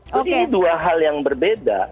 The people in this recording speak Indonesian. jadi dua hal yang berbeda